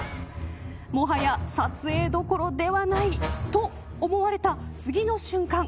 もはや撮影どころではないと思われた次の瞬間。